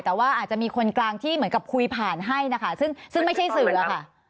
แต่ว่าอาจจะมีคนกลางที่เหมือนกับคุยผ่านให้นะคะซึ่งไม่ใช่สื่ออะค่ะ